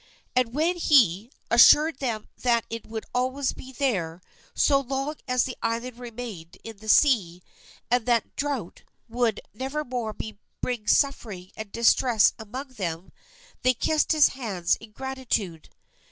And when he assured them that it would always be there so long as the island remained in the sea, and that drought would nevermore bring suffering and distress among them, they kissed his hands in gratitude.